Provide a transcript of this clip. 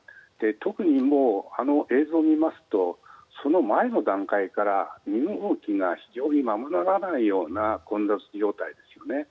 特に、あの映像を見ますとその前の段階から身動きがままならないような混雑状態ですよね。